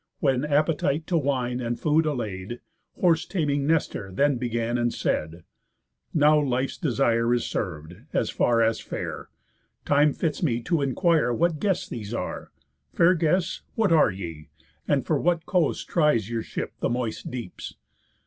When appetite to wine and food allay'd, Horse taming Nestor then began, and said: "Now life's desire is serv'd, as far as fare, Time fits me to enquire what guests these are. Fair guests, what are ye? And for what coast tries Your ship the moist deeps?